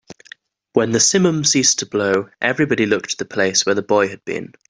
When the simum ceased to blow, everyone looked to the place where the boy had been.